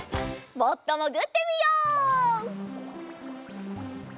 もっともぐってみよう。